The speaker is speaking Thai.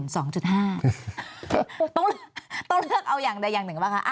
ต้องเลือกเอาอย่างหนึ่งหรือเปล่าคะ